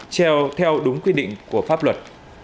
treo theo đúng quy định của pháp luật